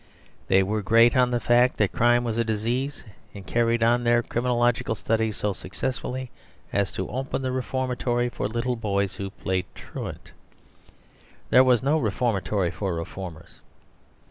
They were great on the fact that crime was a disease; and carried on their criminological studies so successfully as to open the reformatory for little boys who played truant; there was no reformatory for reformers.